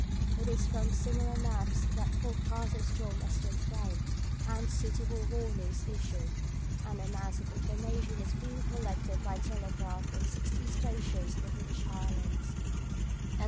It is from similar maps that forecasts of storms are still framed, and suitable warnings issued; and a mass of information is being collected by telegraph from sixty stations in the British Islands, &c.